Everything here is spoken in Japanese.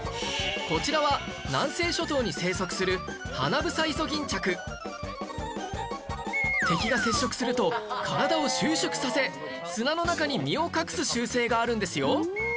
こちらは南西諸島に生息する敵が接触すると体を収縮させ砂の中に身を隠す習性があるんですよ